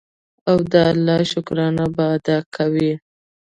او د الله شکرانه به ادا کوي.